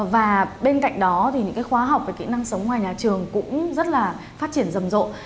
và bên cạnh đó thì những cái khóa học về kỹ năng sống ngoài nhà trường cũng rất là phát triển rầm rộ